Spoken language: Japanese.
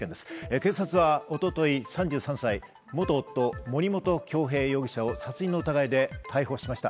警察は一昨日、３３歳の元夫・森本恭平容疑者を殺人の疑いで逮捕しました。